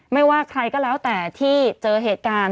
ไม่ว่าใครก็แล้วแต่ที่เจอเหตุการณ์